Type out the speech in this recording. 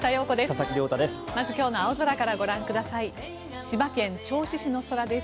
佐々木亮太です。